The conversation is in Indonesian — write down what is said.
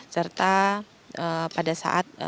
serta pada saat